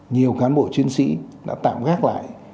nhiều cán bộ chiến sĩ đã tạm gác lại